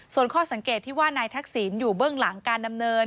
ส่วนข้อสังเกตที่ว่านายทักษิณอยู่เบื้องหลังการดำเนิน